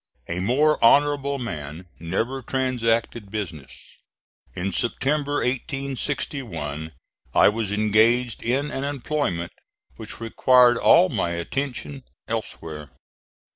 A more honorable man never transacted business. In September, 1861, I was engaged in an employment which required all my attention elsewhere.